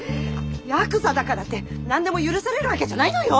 ヤクザだからって何でも許されるわけじゃないのよ！